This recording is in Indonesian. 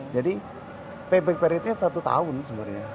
jadi payback per unitnya satu tahun sebenarnya